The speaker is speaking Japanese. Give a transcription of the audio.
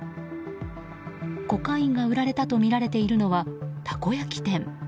コカインが売られたとみられているのはたこ焼き店。